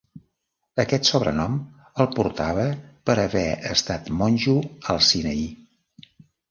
Aquest sobrenom el portava per haver estat monjo al Sinaí.